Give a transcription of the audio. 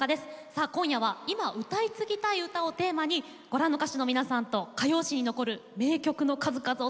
さあ今夜は「今、歌い継ぎたい歌」をテーマにご覧の歌手の皆さんと歌謡史に残る名曲の数々をお届けしてまいります。